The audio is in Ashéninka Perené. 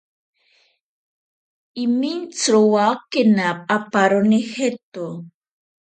Imintsarowakena aparo jeto.